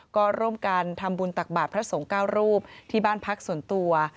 ก็ร่วมกันทำบุญตักบาทพระสงฆ์๙รูปที่บ้านพักส่วนตัว